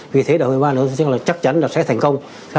vì thế đại hội lần thứ ba chắc chắn là sẽ thành công